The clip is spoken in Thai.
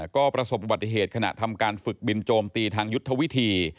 ก็ประสบอุบัติเหตุขณะทำการฝึกบินโจมตีทางยุทธวิธี